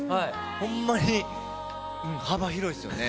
ほんまに、幅広いですよね。